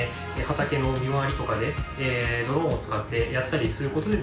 畑の見回りとかでドローンを使ってやったりすることでですね